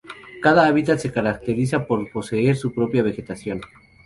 Cada hábitat se caracteriza por poseer su propia vegetación.